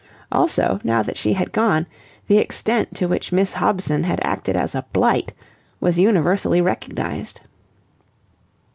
Also, now that she had gone, the extent to which Miss Hobson had acted as a blight was universally recognized.